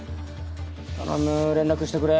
頼む連絡してくれ。